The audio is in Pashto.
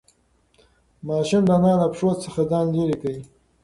ماشوم د انا له پښو څخه ځان لیرې کړ.